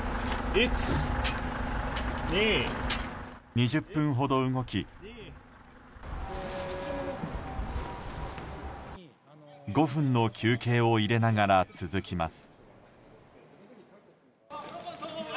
２０分ほど動き５分の休憩を入れながら続きます。